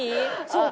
「そう。